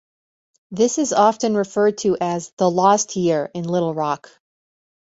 This is often referred to as "The Lost Year" in Little Rock.